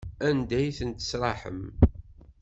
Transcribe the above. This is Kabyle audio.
Anda ay ten-tesraḥem?